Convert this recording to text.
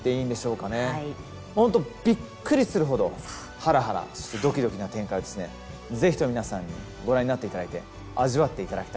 本当びっくりするほどハラハラそしてドキドキな展開をぜひとも皆さんにご覧になって頂いて味わって頂きたいと思います。